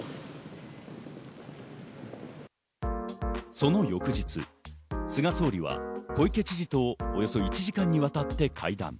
その翌日、菅総理は小池知事とおよそ１時間にわたって会談。